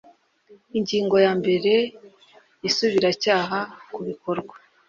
Ingingo ya mbere Isubiracyaha ku bikorwa